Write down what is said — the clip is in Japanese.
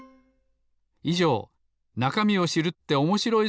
いじょう「なかみを知るっておもしろい！